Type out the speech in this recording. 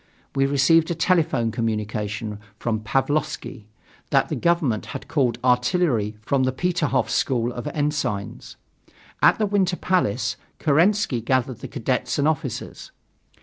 We received a telephone communication from Pavlovsky that the government had called artillery from the Peterhof School of Ensigns. At the Winter Palace, Kerensky gathered the cadets and officers.